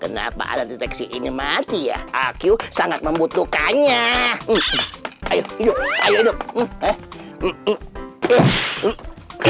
kenapa alat deteksi ini mati ya aku sangat membutuhkannya hai ayu ayo ayo hidup hehehe